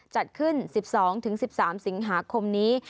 จัดขึ้น๑๒๑๓สิงหาคมนี้